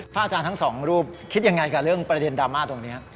อาจารย์ทั้งสองรูปคิดยังไงกับเรื่องประเด็นดราม่าตรงนี้